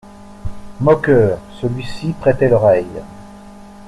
Moqueur, celui-ci prêtait l'oreille.